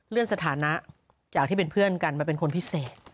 สถานะจากที่เป็นเพื่อนกันมาเป็นคนพิเศษ